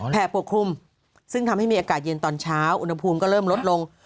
ปกคลุมซึ่งทำให้มีอากาศเย็นตอนเช้าอุณหภูมิก็เริ่มลดลง